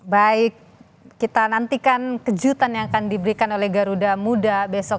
baik kita nantikan kejutan yang akan diberikan oleh garuda muda besok